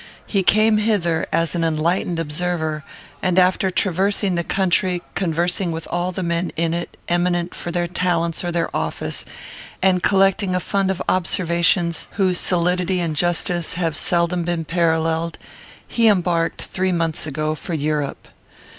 He came hither as an enlightened observer; and, after traversing the country, conversing with all the men in it eminent for their talents or their office, and collecting a fund of observations whose solidity and justice have seldom been paralleled, he embarked, three months ago, for Europe.